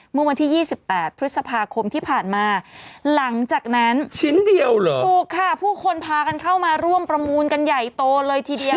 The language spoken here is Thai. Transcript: เมื่อวันที่๒๘พฤษภาคมที่ผ่านมาหลังจากนั้นชิ้นเดียวเหรอถูกค่ะผู้คนพากันเข้ามาร่วมประมูลกันใหญ่โตเลยทีเดียว